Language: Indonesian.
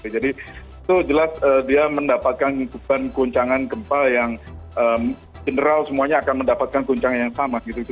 jadi itu jelas dia mendapatkan kebahan kencangan gempa yang general semuanya akan mendapatkan kencangan yang sama gitu